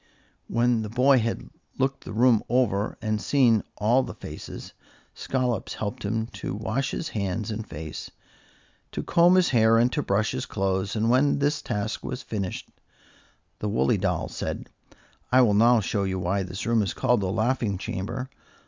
When the boy had looked the room over and seen all the faces, Scollops helped him to wash his hands and face, to comb his hair and to brush his clothes, and when this task was finished, the woolly doll said: "I will now show you why this room is called the laughing chamber.